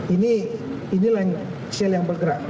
ini inilah yang sel yang bergerak